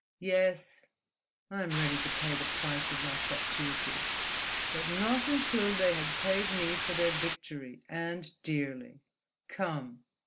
Yes; I am ready to pay the price of my fatuity—but not until they had paid me for their victory—and dearly. Come!"